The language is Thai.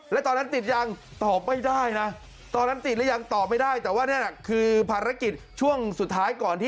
แล้วตอนนั้นติดยังตอบไม่ได้นะ